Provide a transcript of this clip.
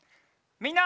みんな！